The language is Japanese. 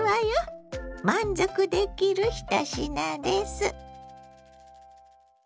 満足できる１品です。